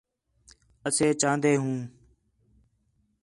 اَسے چاہن٘دے ہوں